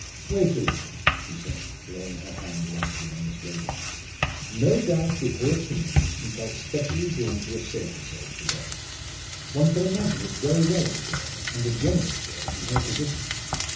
"Wait a little," she said, laying her hand lightly on Miss Raeburn's. "No doubt with her opinions she felt specially drawn to assert herself to day. One can imagine it very well of a girl, and a generous girl in her position.